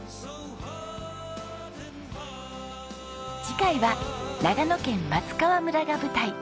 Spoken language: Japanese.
次回は長野県松川村が舞台。